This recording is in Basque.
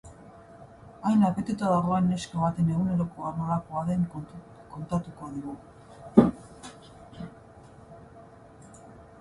Hain lanpetatuta dagoen neska baten egunerokoa nolakoa den kontatuko digu.